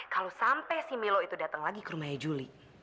kalau sampai si milo itu datang lagi ke rumahnya juli